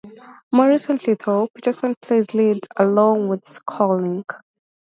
More recently though, Peterson plays leads along with Skolnick.